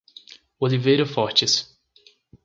Oliveira Fortes